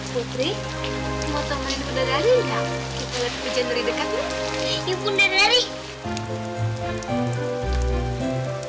putri mau temanin bunda dari gak